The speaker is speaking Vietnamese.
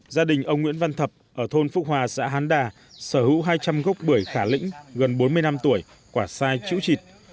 gia đình ông nguyễn văn thập ở thôn phúc hòa xã hán đà sở hữu hai trăm linh gốc bưởi khả lĩnh gần bốn mươi năm tuổi quả sai chữ chịt